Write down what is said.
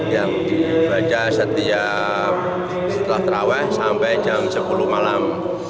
yang dibaca setiap setelah terawih sampai jam sepuluh malam